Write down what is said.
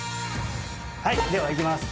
はいではいきます